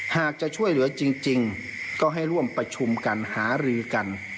หากจะช่วยเหลือจริงก็ให้ร่วมประชุมกันหารือกัน